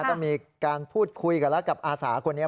ต้องมีการพูดคุยกันแล้วกับอาสาคนนี้